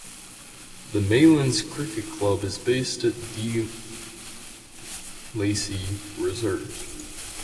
The Maylands Cricket Club is based at De Lacey Reserve.